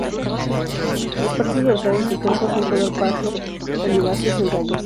Las partes dorsales del cuerpo son color pardo oliváceo, sin rayas.